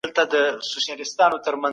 د افغانستان قالين اوبدل کله پيل سول؟